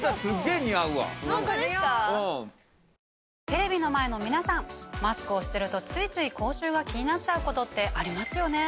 テレビの前の皆さんマスクをしてるとついつい口臭が気になっちゃうことってありますよね？